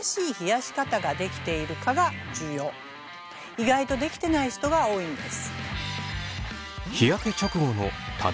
意外とできてない人が多いんです。